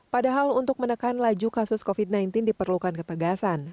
padahal untuk menekan laju kasus covid sembilan belas diperlukan ketegasan